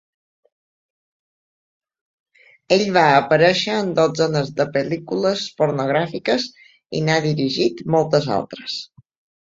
Ell va aparèixer en dotzenes de pel·lícules pornogràfiques, i n'ha dirigit moltes altres.